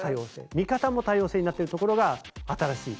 見方も多様性になってるところが新しい。